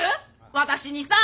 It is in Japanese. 私にさ。